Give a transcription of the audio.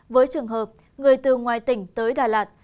với trường hợp người từ ngoài tỉnh tới đà lạt